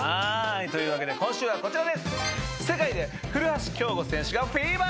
というわけで今週はこちらです。